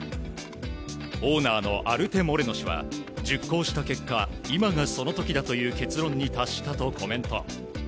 オーナーのアルテ・モレノ氏は熟考した結果今がその時だという結論に達したとコメント。